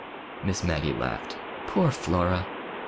Miss Maggie laughed. "Poor Flora!"